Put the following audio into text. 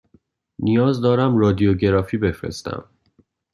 نیاز دارم رادیوگرافی بفرستم.